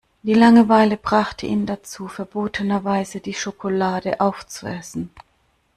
Die Langeweile brachte ihn dazu, verbotenerweise die Schokolade aufzuessen.